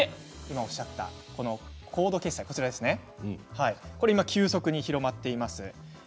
今おっしゃった、コード決済急速に広まっています。